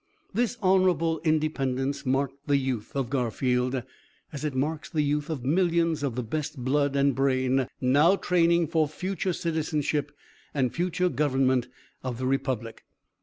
This honorable independence marked the youth of Garfield, as it marks the youth of millions of the best blood and brain now training for the future citizenship and future government of the Republic.